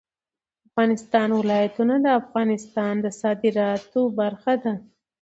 د افغانستان ولايتونه د افغانستان د صادراتو برخه ده.